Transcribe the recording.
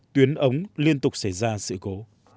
tuyến ống liên tục xảy ra sự cố